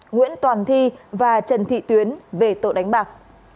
nguyễn toàn thi và trần thị tuyến về tội đánh bạc